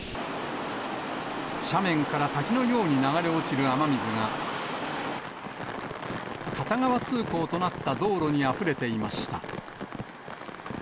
斜面から滝のように流れ落ちる雨水が、片側通行となった道路にあふれていました。